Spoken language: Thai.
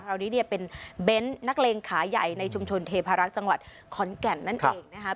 เรานี้เนี่ยเป็นเบนท์นักเลงขาใหญ่ในชุมชนเทพารักษ์จังหวัดขอนแก่นนั่นเองนะครับ